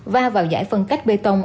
và vào giải phân cách bê tông